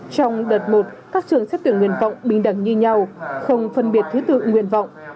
trong đợt một các trường xếp tuyển nguyên vọng bình đẳng như nhau không phân biệt thứ tượng nguyên vọng